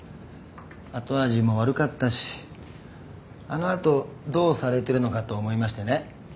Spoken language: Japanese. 後味も悪かったしあの後どうされてるのかと思いましてね。